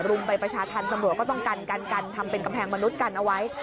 ไปประชาธรรมตำรวจก็ต้องกันกันทำเป็นกำแพงมนุษย์กันเอาไว้